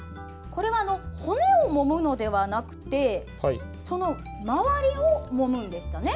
これは骨をもむのではなくてその周りをもむんでしたね。